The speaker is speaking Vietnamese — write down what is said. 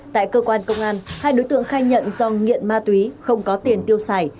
tại cơ quan công an hai đối tượng khai nhận do nghiện ma túy không có tiền tiêu xài